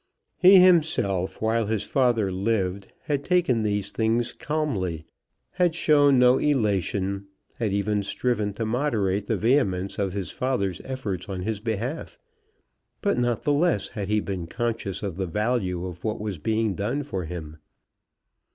He himself while his father lived had taken these things calmly, had shown no elation, had even striven to moderate the vehemence of his father's efforts on his behalf; but not the less had he been conscious of the value of what was being done for him.